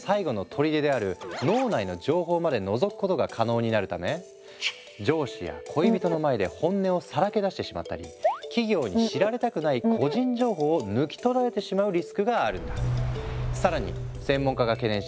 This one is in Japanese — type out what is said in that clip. ＢＭＩによって上司や恋人の前で本音をさらけ出してしまったり企業に知られたくない個人情報を抜き取られてしまうリスクがあるんだ。